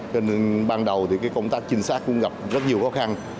thế nên ban đầu thì cái công tác chính xác cũng gặp rất nhiều khó khăn